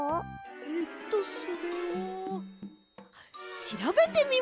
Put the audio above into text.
えっとそれはしらべてみます！